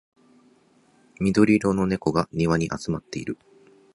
緑色の猫が庭に集まっている